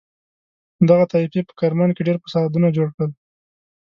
دغه طایفې په کرمان کې ډېر فسادونه جوړ کړل.